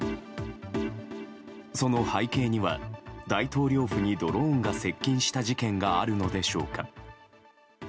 その背景には大統領府にドローンが接近した事件があるのでしょうか。